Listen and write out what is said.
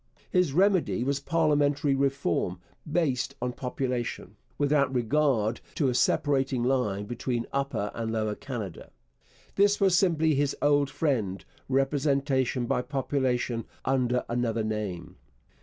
His remedy was 'Parliamentary Reform, based on population, without regard to a separating line between Upper and Lower Canada.' This was simply his old friend 'Representation by Population' under another name.